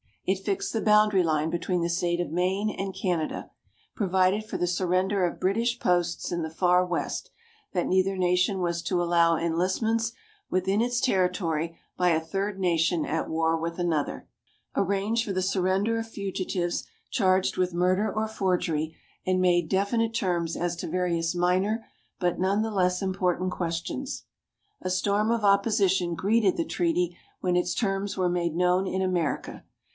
It fixed the boundary line between the State of Maine and Canada; provided for the surrender of British posts in the Far West; that neither nation was to allow enlistments within its territory by a third nation at war with another; arranged for the surrender of fugitives charged with murder or forgery; and made definite terms as to various minor, but none the less important, questions. A storm of opposition greeted the treaty when its terms were made known in America.